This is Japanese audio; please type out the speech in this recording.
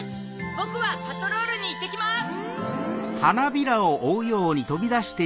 ボクはパトロールにいってきます！